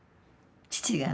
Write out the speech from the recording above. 父がね